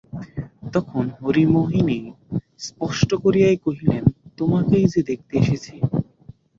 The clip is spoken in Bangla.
তখন হরিমোহিনী স্পষ্ট করিয়াই কহিলেন, তোমাকেই যে দেখতে এসেছে।